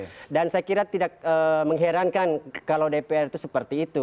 jadi saya tidak mengherankan kalau dpr itu seperti itu